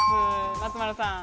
松丸さん。